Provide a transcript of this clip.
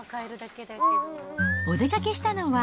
お出かけしたのは、